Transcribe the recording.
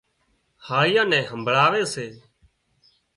هاۯيئان نين همڀۯاوي سي